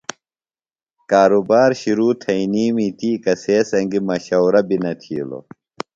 کارُبار شِرو تھئینیمی تی کسے سنگیۡ مشورہ بیۡ نہ تِھیلوۡ۔